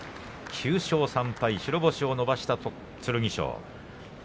９勝３敗白星を伸ばした剣翔。